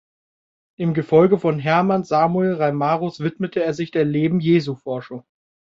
Im Gefolge von Hermann Samuel Reimarus widmete er sich der Leben-Jesu-Forschung.